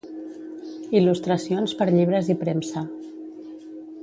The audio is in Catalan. Il·lustracions per llibres i premsa.